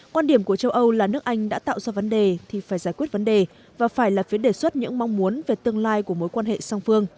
quan điểm của châu âu là nước anh đã tạo ra vấn đề thì phải giải quyết vấn đề và phải là phía đề xuất những mong muốn về tương lai của mối quan hệ song phương